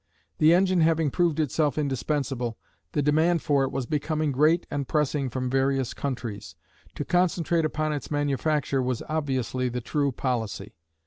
The engine having proved itself indispensable, the demand for it was becoming great and pressing from various countries. To concentrate upon its manufacture was obviously the true policy.